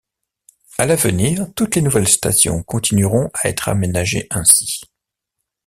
À l'avenir toutes les nouvelles stations continueront à être aménagées ainsi.